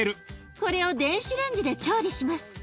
これを電子レンジで調理します。